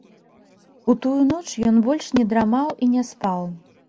У тую ноч ён больш не драмаў і не спаў.